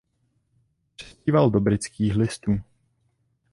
Přispíval do "Britských listů".